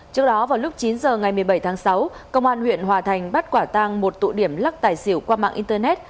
trước đó vào lúc chín h ngày một mươi bảy tháng sáu công an huyện hòa thành bắt quả tang một tụ điểm lắc tài xỉu qua mạng internet